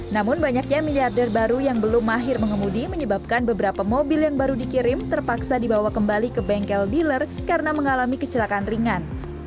namun banyaknya miliarder baru yang belum mahir mengemudi menyebabkan beberapa mobil yang baru dikirim terpaksa dibawa kembali ke bengkel dealer karena mengalami kecelakaan ringan